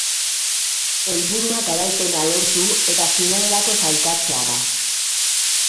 Helburua garaipena lortu eta finalerako sailkatzea da.